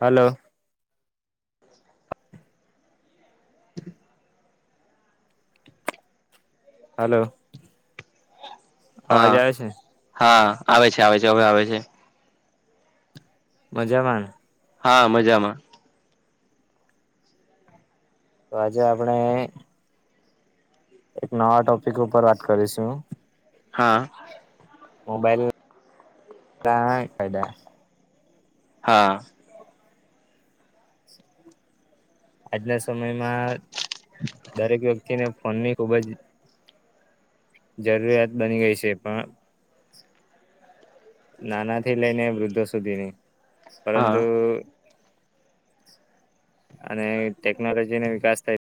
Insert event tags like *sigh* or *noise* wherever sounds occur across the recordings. Hello. Hello. અવાજ હા. આવે છે હા. આવે છે. આવે છે, હવે આવે છે. મજા માં ને? હા, મજામાં. તો આજે આપણે એક નવા ટોપિક ઉપર વાત કરીશું. હા. મોબાઈલ ગણા ફાયદા. હા. આજના સમયમાં દરેક વ્યક્તિને ફોનની ખુબ જ જરૂરિયાત બની ગઈ છે. પણ નાના થી લઈને વૃદ્ધો સુધીની. હા પરંતુ અને ટેક્નોલોજીનો વિકાસ થાય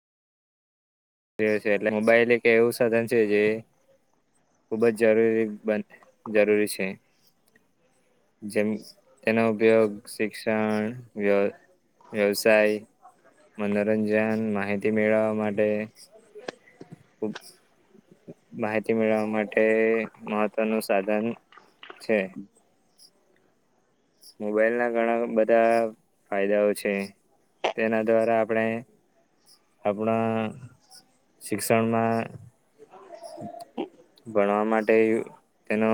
એ છે. એટલે મોબાઈલ કે એવું સાધન છે જે, ખુબ જ જરૂરી બ જરૂરી છે. જેમ તેનો ઉપયોગ શિક્ષણ વ્ય વ્યવસાય મનોરંજન માહિતી મેળવવા માટે. ઓપ્સ. માહિતી મેળવવા માટે મહત્વનું સાધન છે. મોબાઈલ ના ઘણા બધા ફાયદાઓ છે. તેના દ્વારા આપણે આપણા શિક્ષણમાં ભણવા માટે તેનો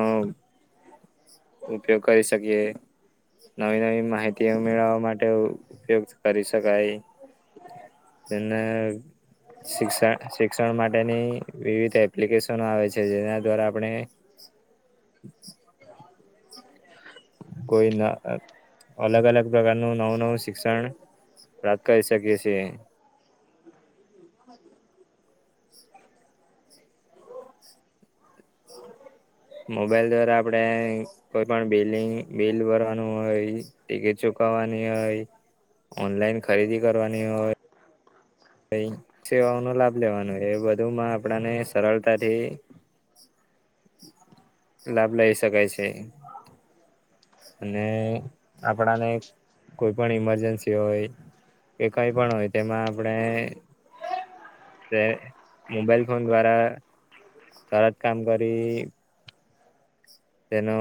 ઉપયોગ કરી શકીએ. નવી નવી માહિતી ઓ મેળવવા માટે ઉપયોગ કરી શકાય. તેને શિક્ષણ શિક્ષણ માટેની વિવિધ એપ્લિકેશન આવે છે, જેના દ્વારા આપણે કોઈ ન અલગ અલગ પ્રકારનું નવું નવું શિક્ષણ સ્ટાર્ટ કરી શકીએ છે. બ *unintelligible* મોબાઈલ દ્વારા આપણે કોઈ પણ બિલિંગ બિલ ભરવાનું હોય, ટિકિટ ચુકવવાની હોય, ઓનલાઈન ખરીદી કરવાની હોય, કઈ સેવાઓનો લાભ લેવાનો એ બધુંમાં આપણાને સરળતાથી લાભ લઇ શકાય છે. અને આપણાને કોઈ પણ ઈમરજન્સી હોય. કે કઈ પણ હોય તેમાં આપણે મોબાઈલ ફોન દ્વારા તરત કામ કરી તેનો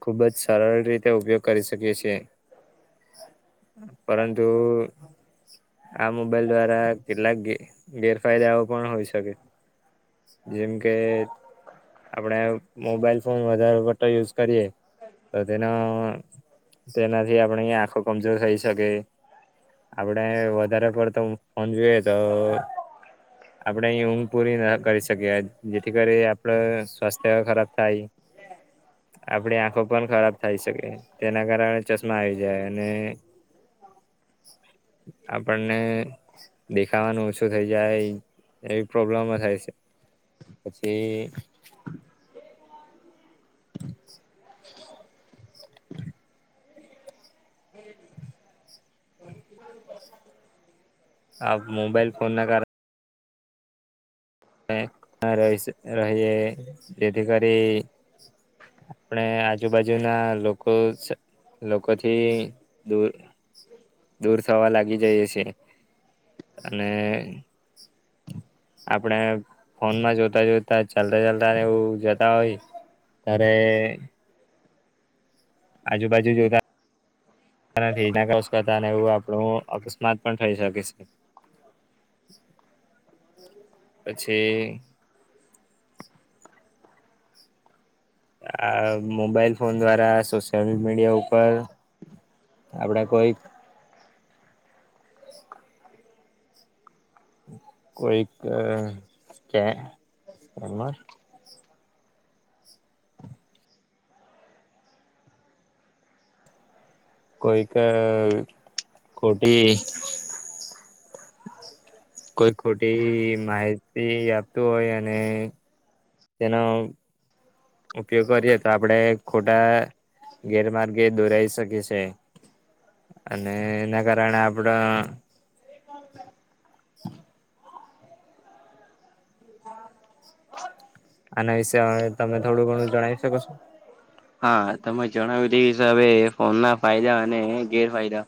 ખુબ જ સરળ રીતે ઉપયોગ કરી શકીએ છીએ. પરંતુ આ મોબાઈલ દ્વારા કેટલાક ગેરફાયદાઓ પણ હોઈ શકે. જેમ કે આપણે મોબાઈલ ફોન વધારે પડતો યુઝ કરીએ, તો તેના તેનાથી આપણી આંખો કમજોર થઈ શકે. આપણે વધારે પડતો ફોન જોઈએ તો આપણે અહીં ઊંઘ પૂરી ના કરી શકીએ. જેથી કરી આપણો સ્વાસ્થ્ય ખરાબ થાય. આપણી આંખો પણ ખરાબ થાય શકે. તેના કારણે ચશ્મા આવી જાય. અને આપણને દેખાવાનું ઓછું થઈ જાય, એવી પ્રોબ્લેમો થાય સે. પછી *inaudible* *inaudible* આપ મોબાઈલ ફોન ના કારણ ણે ના રહી શ રહીએ, જેથી કરી આપણે આજુબાજુ ના લોકો સ લોકોથી દૂર-દૂર થવા લાગી જઈએ છે. અને આપણે ફોન માં જોતા-જોતા, ચાલતા-ચાલતા ને એવું જતા હોય ત્યારેે આજુબાજુ જોતા નથી. *unintelligible* ક્રોસ કરતા ને એવું આપણું અકસ્માત પણ થઈ શકે છે. પછી આ મોબાઈલ ફોન દ્વારા સોશિયલ મીડિયા ઉપર આપણા કોઈ કોઈક અહ *unintelligible* કોઈક ખોટી કોઈ ખોટી માહિતી આપતું હોય, અને તેનો ઉપયોગ કરીએ તો આપણેે ખોટા ગેરમાર્ગે દોરાઈ શકે છે. અને એના કારણે આપણાં *inaudible* આના વિશે તમે થોડું ઘણું જણાવી શકો છો? હા. તમે જણાવયુ તે હિસાબે ફોન ના ફાયદા અને ગેરફાયદા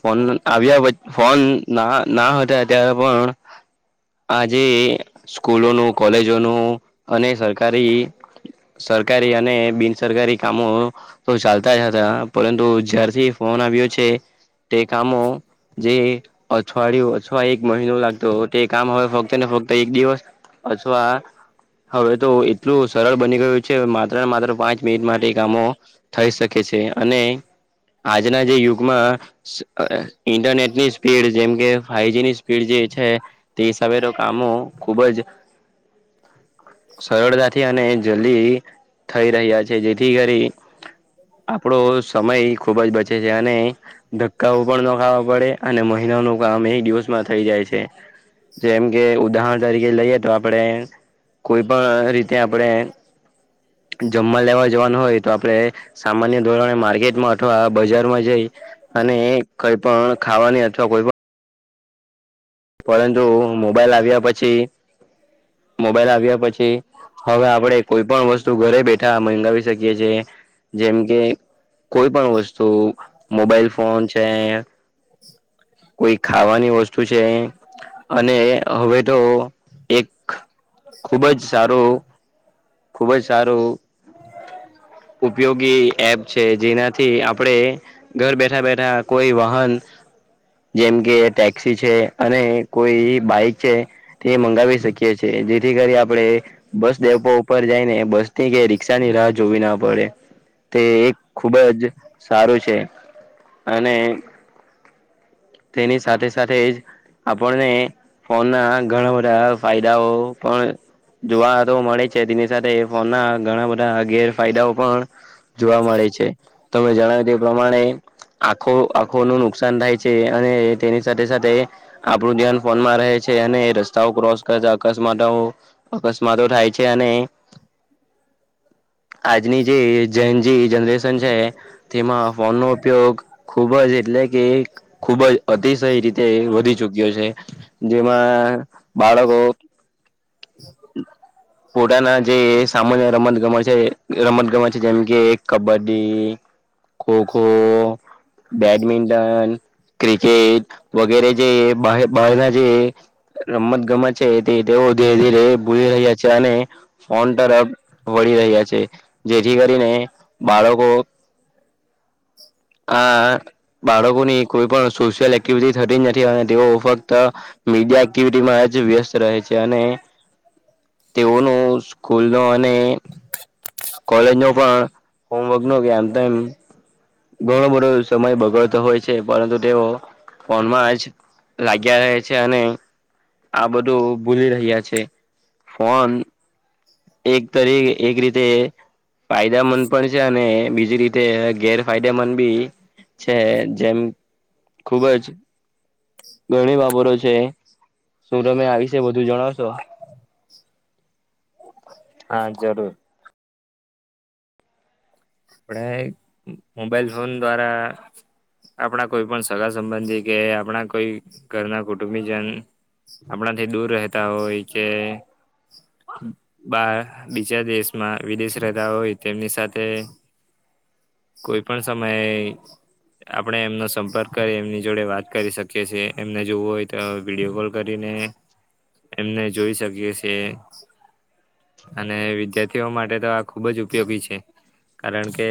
ફોન આવ્યા પછ ફોન ના હ ના હતા ત્યારે પણ આજે સ્કૂલોનું, કોલેજોનું અને સરકારી સરકારી અને બિનસરકારી કામો તો ચાલતા જ હતા. પરંતુ જ્યારથી ફોન આવ્યો છે તે કામો જે અથવાડિયું અથવા એક મહિનો લાગતો, તે કામ હવે ફક્ત ને એક દિવસ અથવા હવે તો એટલું સરળ બની ગયું છે. માત્ર ને માત્ર પાંચ મિનિટ માટે કામો થઈ શકે છે. અને આજના જે યુગમાં સ અહ ઇન્ટરનેટની સ્પીડ જેમ કે ફાઈવ જી ની સ્પીડ જે છે તે હિસાબે તો કામો ખુબ જ *inaudible* સરળતાથી અને જલ્દી થઈ રહ્યા છે. જેથી કરી આપણો સમય ખુબ જ બચે છે. અને ધક્કાઓ પણ ન ખાવા પડે, અને મહિનાનું કામ એક દિવસમાં થઈ જાય છે. જેમ કે ઉદાહરણ તરીકે લઈએ તો આપડે કોઈ પણ રીતે આપડે જમવા લેવા જવાનું હોય તો આપણે સામાન્ય ધોરણે માર્કેટમાં અથવા બજારમાં જઈ અને કઈ પણ ખાવાની અથવા કોઈ પણ પરંતુ મોબાઈલ આવ્યા પછી મોબાઈલ આવ્યા પછી હવે આપણેે કોઈ પણ વસ્તુ ઘરે બેઠા મંગાવી શકીએ છેએ જેમ કે કોઈ પણ વસ્તુ મોબાઈલ ફોન છે કોઈ ખાવાની વસ્તુ છે એ અને હવે તો એક ખુબ જ સારું ખૂબ જ સારું ઉપયોગી એપ છે જેનાથી આપણે ઘર બેઠા બેઠા કોઈ વાહન જેમ કે ટેક્સી છે અને કોઈ બાઈક છે તે મંગાવી શકીએ છેએ જેથી કરી આપણે બસ ડેપો ઉપર જઈ ને બસ ની કે રિક્ષા ની રાહ જોવી ના પડે. તે એક ખૂબ જ સારું છે અને તેની સાથે સાથે એ જ આપણને ફોન ના ઘણા બધા ફાયદાઓ પણ જોવા તો મળે છે તેની સાથે ફોન ના ઘણા બધા ગેરફાયદાઓ પણ જોવા મળે છે તમે જણાવ્યું તે પ્રમાણે આખો આખો નું નુકસાન થાય છે. અને તેની સાથે સાથે આપડું ધ્યાન ફોનમાં રહે છે અને રસ્તાઓ ક્રોસ કરતા અકસ્માતો અકસ્માતો થાય છે અને *inaudible* આજની જે જેનજી જનરેશન છે તેમાં ફોનનો ઉપયોગ ખૂબ જ એટલે કે એક ખૂબ જ અતિશય રીતે વધી ચૂક્યો છે જેમાં બાળકો *inaudible* *inaudible* પોતાના જે સામાન્ય રમત ગમત છે રમત ગમત છે જેમ કે કબડ્ડી ખોખો બેડમિન્ટન ક્રિકેટ વગેરે જે બહ-બહારના જે રમત ગમત છે એ તેઓ ધીરે ધીરે ભૂલી રહ્યા છે અને ફોન તરફ વળી રહ્યા છે જેથી કરીને બાળકો *inaudible* આ બાળકોની કોઈ પણ સોશિયલ એક્ટિવિટી થતી જ નથી અને તેઓ ફક્ત મીડિયા એક્ટિવિટીમાં જ વ્યસ્ત રહે છે અને તેઓનો સ્કૂલ નો અને કોલેજ નો પણ હોમવર્ક નો કે આમ તેમ ઘણો બધો સમય બગડતો હોય છે પરંતુ તેઓ ફોનમાં જ લાગ્યા રહે છે અને આ બધું ભૂલી રહ્યા છે ફોન એક તરી એક રીતે *unintelligible* પણ છે અને બીજી રીતે ગેર ફાયદેમંદ બી છે જેમ ખુબ જ ઘણી બાબતો છે સુ તમે આવી જ વિશે વધું જણાવશો? હા જરૂર આપણે મોબાઈલ ફોન દ્વારા આપણા કોઈ પણ સગા સંબંધી કે આપણા કોઈ ઘરના કુટુંબી જન આપણાથી દૂર રહેતા હોય કે બા બીજા દેશમાં વિદેશ રહેતા હોય તેમની સાથે કોઈ પણ સમયે આપણે એમનો સંપર્ક કરી એમની જોડે વાત કરી શકીએ છીએ એમને જોવું હોય તો વિડીયો કોલ કરીને એમને જોઈ શકીએ છીએ. અને વિદ્યાર્થીઓ માટે તો આ ખુબ જ ઉપયોગી છે. કારણ કે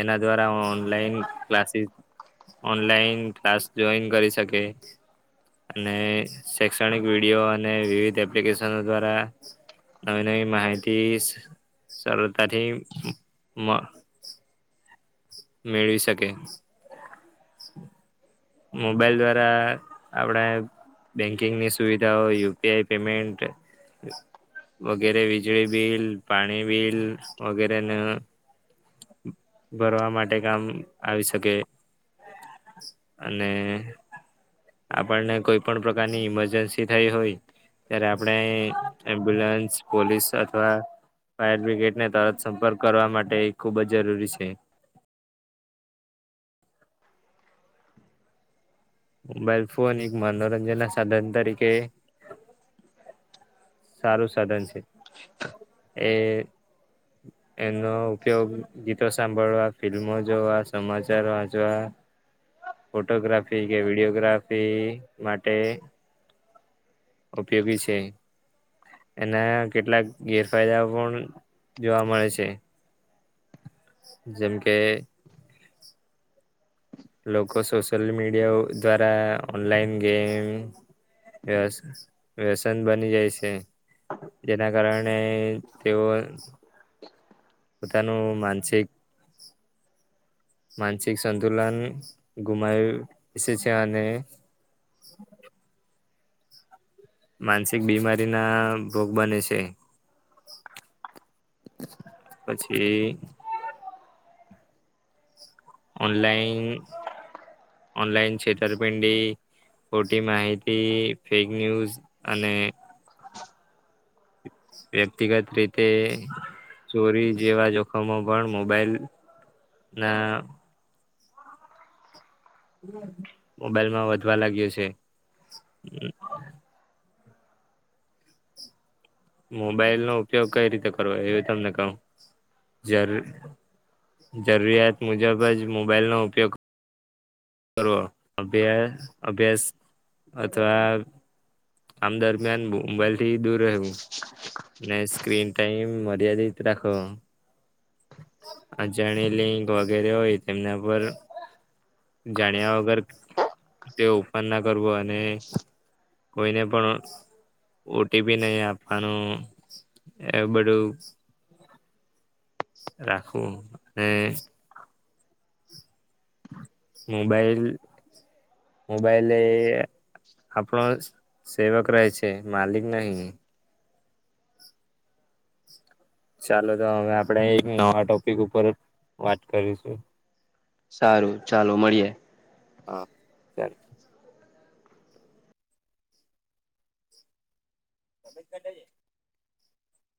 એના દ્વારા online classes online class join કરી શકે. અને શૈક્ષણિક વિડીયો અને વિવિધ એપ્લિકેશનો દ્વારા નવી નવી માહિતિ સ સરળતાથી મ મેળવી શકે. મોબાઈલ દ્વારા આપણે બેન્કિંગની સુવિધાઓ યુપીઆઈ પેમેન્ટ વગેરે વીજળી બિલ પાણી બિલ વગેરે ન ભરવા માટે કામ આવી શકે. અને આપણને કોઈ પણ પ્રકારની ઈમરજન્સી થઈ હોય. ત્યારે આપણે એમ્બ્યુલન્સ પોલીસ અથવા ફાયર બ્રિગેડને તરત સંપર્ક કરવા માટે એ ખુબ જ જરૂરી છે. મોબાઈલ ફોન એક મનોરંજન ના સાધન તરીકે સારું સાધન છે એ એમનો ઉપયોગ ગીતો સાંભળવા ફિલ્મો જોવા સમાચારો વાંચવા ફોટોગ્રાફી કે વિડીયોગ્રાફી માટે ઉપયોગી છે. એના કેટલાક ગેરફાયદાઓ પણ જોવા મળે છે. જેમ કે લોકો સોશિયલ મીડિયા દ્વારા ઓનલાઈન ગેમ વ્યસ વ્યસન બની જાય છે. જેના કારણે તેઓ જ પોતાનું માનસિક માનસિક સંતુલન ગુમાય વિશે છે અને માનસિક બીમારીના ભોગ બને છે. પછી ઓનલાઈન ઓનલાઈન છેતરપિંડી ખોટી માહિતી ફેક ન્યૂઝ અને વ્યક્તિગત રીતે ચોરી જેવા જોખમો પણ મોબાઈલ ના મોબાઈલમાં વધવા લાગ્યો છે હમ્મ. મોબાઈલનો ઉપયોગ કઈ રીતે કરવો એ તમને કવ જર જરૂરિયાત મુજબ જ મોબાઈલ નો ઉપયોગ કરવો અભ્યાસ અભ્યાસ અથવા આમ દરમિયાન, મોબાઈલ થી દૂર રહેવું. ને સ્ક્રીન ટાઈમ મર્યાદિત રાખવો. અજાણી લિંક વગેરે હોય, તેમના પર જાણ્યા વગર, તે ઓપન ના કરવો, અને કોઈને પણ ઓ ટી પી નહી આપવાનું, એવુ બધું રાખવું ને મોબાઈલ, મોબાઈલ એ આપણોજ સેવક રહે છે, માલિક નહિ. ચાલોતો હવે આપણેે એક નવા ટોપિક ઉપર વાત કરીશું. સારું, ચાલો મળીએે. હા ત્યારે. *inaudible*